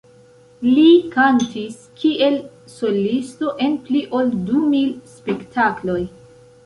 Li kantis kiel solisto en pli ol du mil spektakloj.